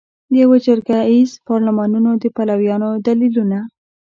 د یوه جرګه ایز پارلمانونو د پلویانو دلیلونه